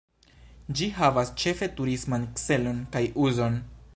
Ĝi havas ĉefe turisman celon kaj uzon.